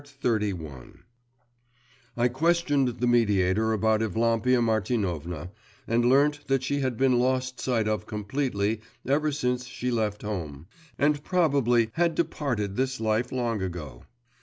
XXXI I questioned the mediator about Evlampia Martinovna, and learnt that she had been lost sight of completely ever since she left home, and probably 'had departed this life long ago.